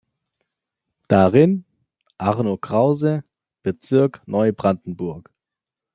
Darin: Arno Krause „Bezirk Neubrandenburg.